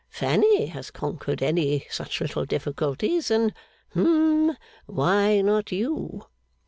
Fanny has conquered any such little difficulties, and hum why not you?